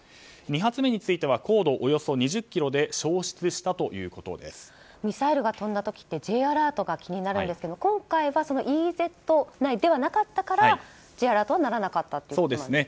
２発目については高度およそ２０ｋｍでミサイルが飛んだ時ってＪアラートが気になるんですけど今回はＥＥＺ内ではなかったからＪアラートは鳴らなかったということですね。